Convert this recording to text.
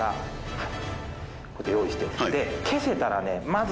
はい。